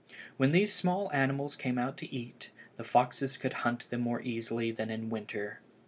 When these small animals came out to eat, the foxes could hunt them more easily than in winter.